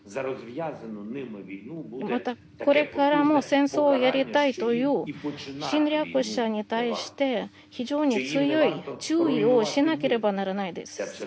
また、これからも戦争をやりたいという侵略者に対して非常に強い注意をしなければならないです。